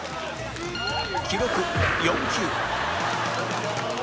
記録４球